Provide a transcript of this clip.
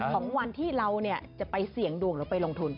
ของวันที่เราจะไปเสี่ยงดวงหรือไปลงทุน